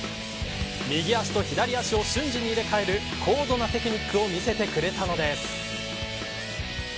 右足と左足を瞬時に入れ替える高度なテクニックを見せてくれたのです。